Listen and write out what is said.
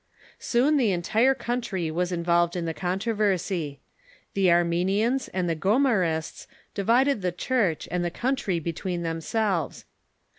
Soon the entire country was involved in the controversy. The Arminians and the Gomarists divided the Church and the country between themselves.